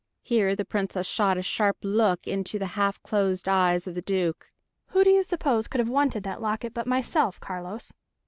Here, the Princess shot a sharp look into the half closed eyes of the Duke. "Who do you suppose could have wanted that locket but myself, Carlos?"